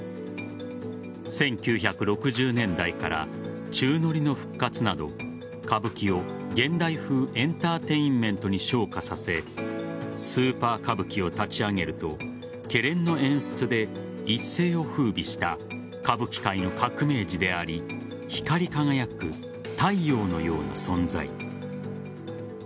１９６０年代から宙乗りの復活など歌舞伎を現代風エンターテインメントに昇華させスーパー歌舞伎を立ち上げるとケレンの演出で一世を風靡した歌舞伎界の革命児であり光り輝く太陽のような存在。